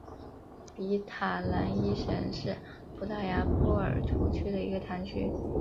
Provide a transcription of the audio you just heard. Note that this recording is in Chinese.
比塔朗伊什是葡萄牙波尔图区的一个堂区。